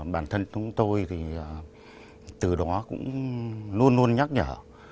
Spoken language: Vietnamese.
bản thân chúng tôi thì từ đó cũng luôn luôn nhắc nhở